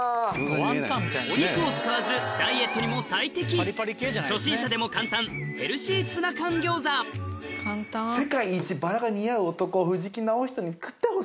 お肉を使わずダイエットにも最適初心者でも簡単ヘルシー世界一バラが似合う男藤木直人に食ってほしい。